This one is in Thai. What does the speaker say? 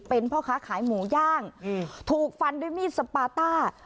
เป็นพ่อค้าขายหมูย่างถูกฟันด้วยมีดสปาต้า